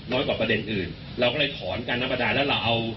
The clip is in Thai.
กว่าประเด็นอื่นเราก็เลยถอนการนับประดาแล้วเราเอา